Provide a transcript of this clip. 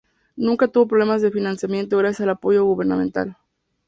Nunca tuvo problemas de financiamiento gracias al apoyo gubernamental.